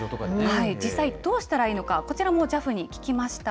実際どうしたらいいのか、こちらもＪＡＦに聞きました。